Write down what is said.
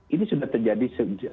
ini sudah terjadi